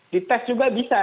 dites juga bisa